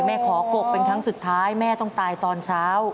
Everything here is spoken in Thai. ขอกบเป็นครั้งสุดท้ายแม่ต้องตายตอนเช้า